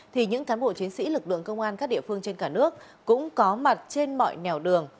thì những cán bộ chiến sĩ lực lượng công an các địa phương trên cả nước cũng có mặt trên mọi nẻo đường